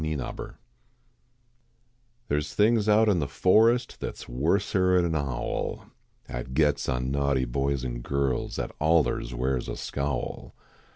THE WOODT1CKS There s things out in the forest That s worser an n owl, At gets on naughty boys n girls At allers wears a scowl.